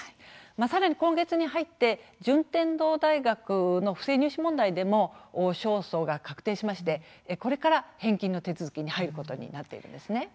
さらに今月に入って順天堂大学の不正入試問題でも勝訴が確定してこれから、返金の手続きが入ることになっています。